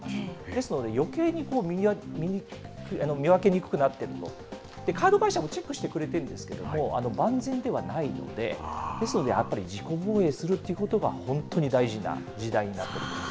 ですので、よけいに見分けにくくなっていると、カード会社もチェックしてくれてるんですけれども、万全ではないので、ですので、やっぱり自己防衛するということが本当に大事な時代になっています。